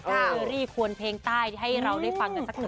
หรือควรเพลงใต้ให้เราได้ฟังกันสักนิดนึง